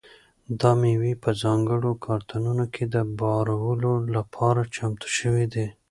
دا مېوې په ځانګړو کارتنونو کې د بارولو لپاره چمتو شوي دي.